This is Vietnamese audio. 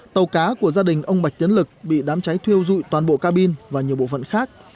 tàu cá của gia đình ông bạch tiến lực bị đám cháy thiêu dụi toàn bộ ca bin và nhiều bộ phận khác